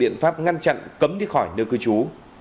biện pháp ngăn chặn cấm đi khỏi nơi cư trú